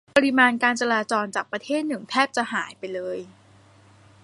ปริมาณการจราจรจากประเทศหนึ่งแทบจะหายไปเลย